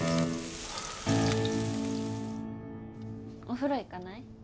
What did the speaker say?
お風呂行かない？